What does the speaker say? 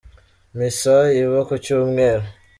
imisa iba kucyumweru